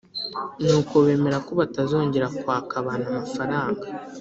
Nuko bemera ko batazongera kwaka abantu amafaranga